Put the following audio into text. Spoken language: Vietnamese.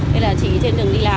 nên là chị trên đường đi làm